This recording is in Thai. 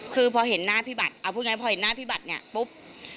คือพอเห็นหน้าพี่บัตรพอเห็นหน้าพี่บัตรเนี่ยปุ๊บ